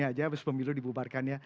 ini aja bes pemilu dibubarkan ya